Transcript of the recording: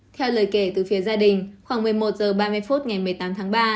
theo lời kể từ phía gia đình khoảng một mươi một h ba mươi phút ngày một mươi tám tháng ba